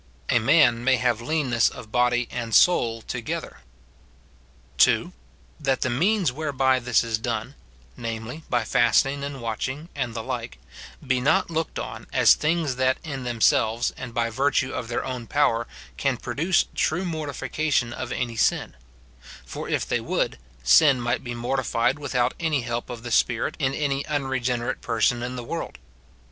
A man may have leanness of body and soul together. (2.) That the means whereby this is done, — namely, by fasting and watching, and the like, — be not looked on as things that in themselves, and by virtue of their own power, can produce true mortification of any sin ; for if they would, sin might be mortified without any help of the Spirit in any unregenerate person in the world.